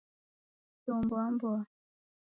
Choo mboa mboa